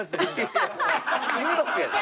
中毒やで。